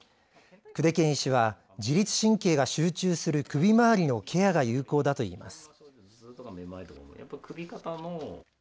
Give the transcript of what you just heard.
久手堅医師は自律神経が集中する首周りのケアが有効だといいます。